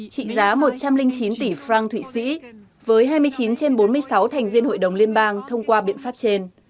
trị giá một trăm linh chín tỷ franc thụy sĩ với hai mươi chín trên bốn mươi sáu thành viên hội đồng liên bang thông qua biện pháp trên